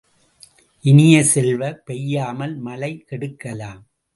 இனிய செல்வ, பெய்யாமல் மழை கெடுக்கலாம்.